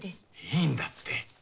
いいんだって。